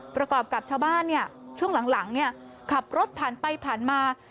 ประกอบกับชาวบ้านช่วงหลังขับรถผ่านไปผ่านมา